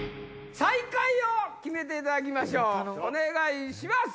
最下位を決めていただきましょうお願いします。